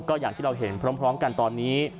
ก็อย่างที่เราเห็นพร้อมกันตอนนี้